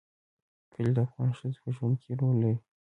کلي د افغان ښځو په ژوند کې رول لري.